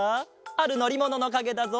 あるのりもののかげだぞ。